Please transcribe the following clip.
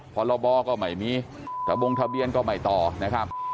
ก็บอกว่าใหม่มีกระบวงทะเบียนก็ใหม่ต่อนะครับ